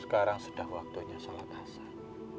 sekarang sudah waktunya sholat asar